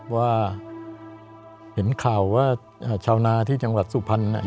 ว่าเห็นข่าวว่าอ่าชาวนาที่จังหลักสุพรรณเนี่ย